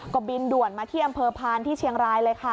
ก็บินด่วนมาที่อำเภอพานที่เชียงรายเลยค่ะ